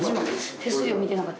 手すりを見てなかった。